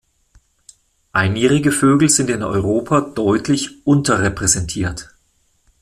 Einjährige Vögel sind in Europa deutlich unterrepräsentiert.